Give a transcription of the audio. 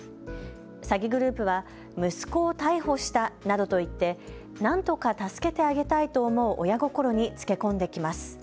詐欺グループは息子を逮捕したなどと言ってなんとか助けてあげたいと思う親心につけ込んできます。